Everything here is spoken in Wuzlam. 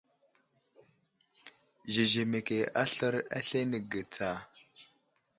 Zezemeke aslər aslane ge tsa.